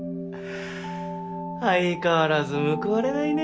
相変わらず報われないね